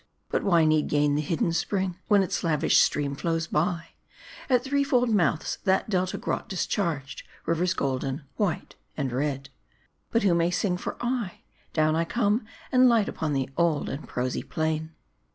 But why need gain the hidden, spring, when its lavish stream flows by ? At three fold mouths that Delta grot discharged ; rivers golden, white, and red. But who may sing for aye ? Down I come, and light upon the old and prosy plain.